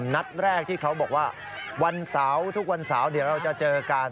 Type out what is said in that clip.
นัดแรกที่เขาบอกว่าวันเสาร์ทุกวันเสาร์เดี๋ยวเราจะเจอกัน